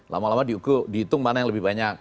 lama lama dihitung mana yang lebih banyak